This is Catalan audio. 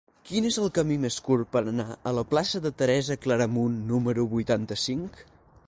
Quin és el camí més curt per anar a la plaça de Teresa Claramunt número vuitanta-cinc?